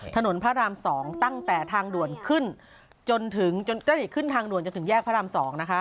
ถนนพระราม๒ตั้งแต่ทางด่วนขึ้นจนถึงใกล้ขึ้นทางด่วนจนถึงแยกพระราม๒นะคะ